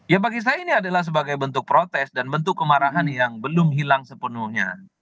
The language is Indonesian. ya bagi saya ini adalah sebagai bentuk protes dan bentuk kemarahan yang belum hilang sepenuhnya